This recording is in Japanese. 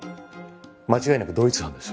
間違いなく同一犯です